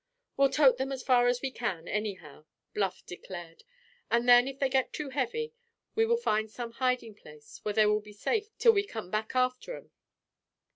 "We'll tote them as far as we can, anyhow," Bluff declared, "and then if they get too heavy we will find some hiding place, where they will be safe till we come back after 'em."